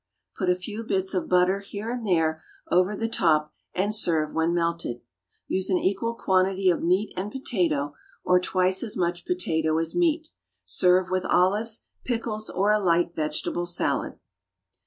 Put a few bits of butter here and there over the top, and serve when melted. Use an equal quantity of meat and potato, or twice as much potato as meat. Serve with olives, pickles or a light vegetable salad.